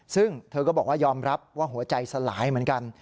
ซึ่งเธอก็บอกว่ายอมรับว่าหัวใจสลายเหมือนกัน